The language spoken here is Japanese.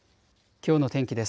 きょうの天気です。